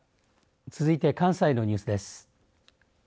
続いて関西のニュースです。